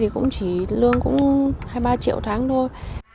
không chỉ lương cũng hai ba triệu tháng thôi